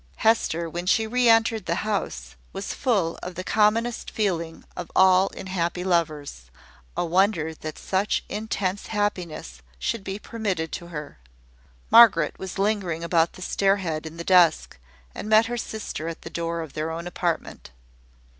Hester, when she re entered the house, was full of the commonest feeling of all in happy lovers, a wonder that such intense happiness should be permitted to her. Margaret was lingering about the stair head in the dusk, and met her sister at the door of their own apartment.